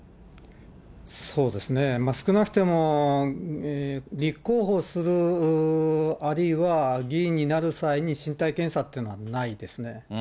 そうですね、少なくとも立候補する、あるいは議員になる際に身体検査ってのはないですね。